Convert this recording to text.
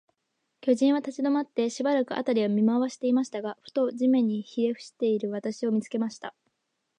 巨人は立ちどまって、しばらく、あたりを見まわしていましたが、ふと、地面にひれふしている私を、見つけました。